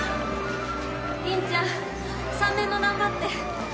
吟ちゃん３年の難破って。